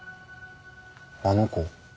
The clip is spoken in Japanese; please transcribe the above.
あの子。